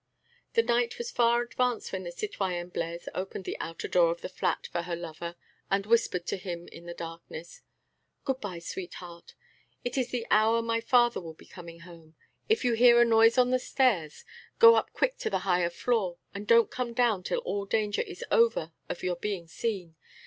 The night was far advanced when the citoyenne Blaise opened the outer door of the flat for her lover and whispered to him in the darkness: "Good bye, sweetheart! It is the hour my father will be coming home. If you hear a noise on the stairs, go up quick to the higher floor and don't come down till all danger is over of your being seen.